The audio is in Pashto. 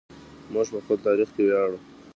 موږ په خپل تاریخ ویاړو.